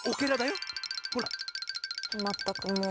まったくもう。